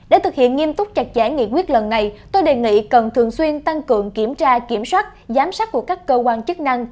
để thực hiện nghiêm túc chặt giải nghị quyết lần này tôi đề nghị cần thường xuyên tăng cường kiểm tra kiểm soát giám sát của các cơ quan chức năng